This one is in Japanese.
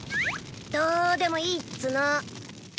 どーでもいいっつの。